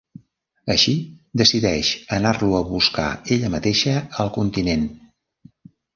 Així, decideix anar-lo a buscar ella mateixa al continent.